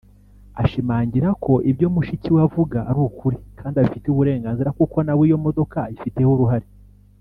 Ashimangira ko ibyo mushiki we avuga ari ukuri kandi abifitiye uburenganzira kuko na we iyo modoka ayifiteho uruhare